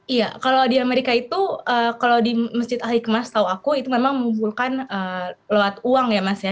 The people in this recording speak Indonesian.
iya kalau di amerika itu kalau di masjid al hikmah setahu aku itu memang mengumpulkan lewat uang ya mas ya